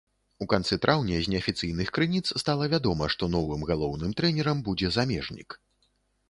У канцы траўня з неафіцыйных крыніц стала вядома, што новым галоўным трэнерам будзе замежнік.